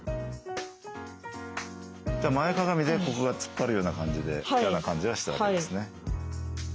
前かがみでここが突っ張るような感じで嫌な感じがしたわけですね。